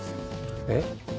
えっ？